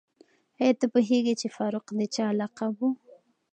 آیا ته پوهېږې چې فاروق د چا لقب و؟